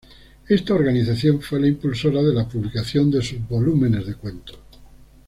Esta organización fue la impulsora de la publicación de sus volúmenes de cuentos.